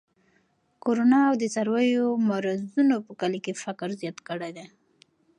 کرونا او د څارویو مرضونو په کلي کې فقر زیات کړی دی.